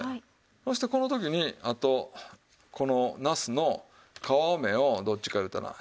そしてこの時にあとこのなすの皮目をどっちかいうたら下にして。